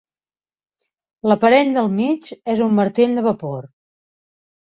L'aparell del mig és un martell de vapor.